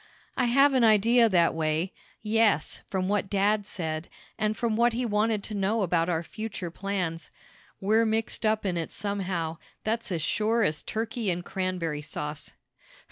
"I have an idea that way yes, from what dad said, and from what he wanted to know about our future plans. We're mixed up in it somehow, that's as sure as turkey and cranberry sauce."